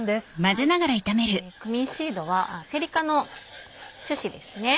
クミンシードはセリ科の種子ですね。